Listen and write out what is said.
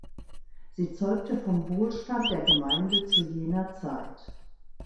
Sie zeugte vom Wohlstand der Gemeinde zu jener Zeit.